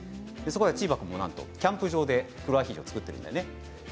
チーバくんもキャンプ場で黒アヒージョ作っているんだよね。